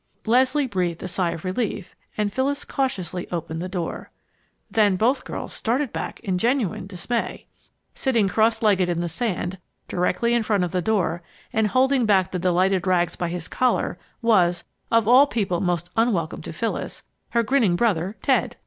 Leslie breathed a sigh of relief, and Phyllis cautiously opened the door. Then both girls started back in genuine dismay! Sitting cross legged in the sand, directly in front of the door and holding back the delighted Rags by his collar, was of all people most unwelcome to Phyllis her grinning brother Ted!